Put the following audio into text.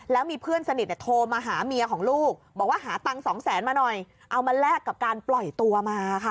แล้วมีเพื่อนสนิทโทรมาหาเมียของลูกบอกว่าหาตังค์สองแสนมาหน่อยเอามาแลกกับการปล่อยตัวมาค่ะ